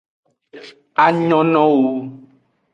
A nyonowo wu.